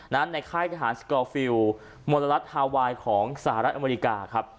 นั้นในค่ายทหารสกอลฟิลล์มอเตอรัสฮาวายของสหรัฐอเมริกาครับ